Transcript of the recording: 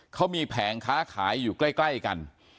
เขามีแผงค้าขายอยู่ใกล้กัน